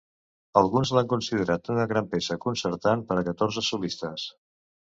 Alguns l'han considerat una gran peça concertant per a catorze solistes.